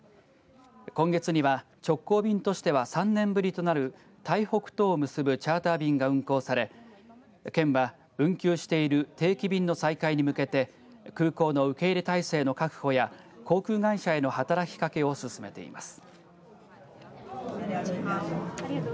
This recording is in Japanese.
今月には直行便としては３年ぶりとなる台北とを結ぶチャーター便が運行され県は運休している定期便の再開に向けて空港の受け入れ体制の確保や航空会社への働きかけを進めています。